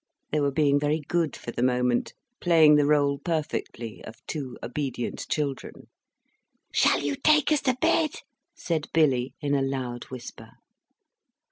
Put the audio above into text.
They were being very good for the moment, playing the rôle perfectly of two obedient children. "Shall you take us to bed!" said Billy, in a loud whisper.